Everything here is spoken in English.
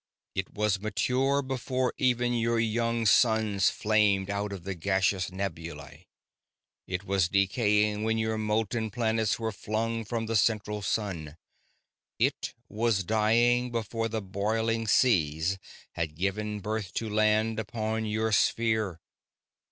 It was mature before ever your young suns flamed out of the gaseous nebulæ, it was decaying when your molten planets were flung from the central sun, it was dying before the boiling seas had given birth to land upon your sphere.